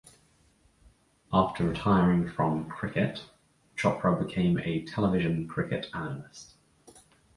After retiring from cricket, Chopra became a television cricket analyst.